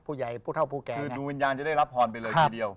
ผู้เท่าผู้แก่คือดวงวิญญาณจะได้รับพรไปเลยทีเดียว